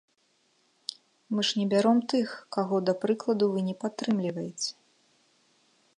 Мы ж не бяром тых, каго, да прыкладу, вы не падтрымліваеце.